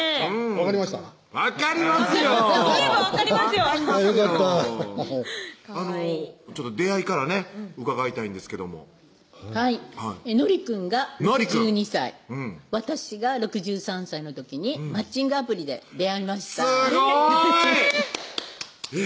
分かりますよ出会いからね伺いたいんですけどもはいのりくんが６２歳私が６３歳の時にマッチングアプリで出会いましたすごい！